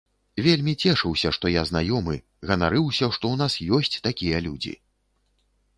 Вельмі цешыўся, што я знаёмы, ганарыўся, што ў нас ёсць такія людзі.